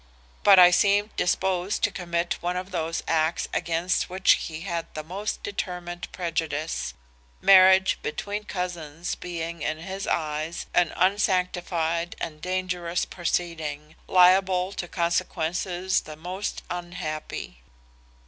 But I seemed disposed to commit one of those acts against which he had the most determined prejudice; marriage between cousins being in his eyes an unsanctified and dangerous proceeding, liable to consequences the most unhappy.